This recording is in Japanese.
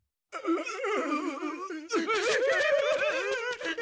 うん。